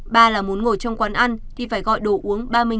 ba là muốn ngồi trong quán ăn thì phải gọi đồ uống ba mươi đồng một cốc